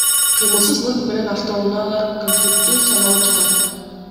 Кыймылсыз мүлк менен автоунаалар конкреттүү саналып жатат.